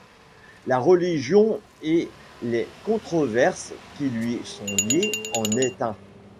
La religion et les controverses qui lui sont liées en est un.